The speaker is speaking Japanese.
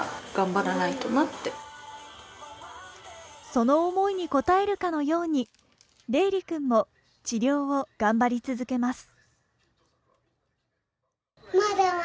その思いに応えるかのように、怜龍君も治療を頑張り続けます。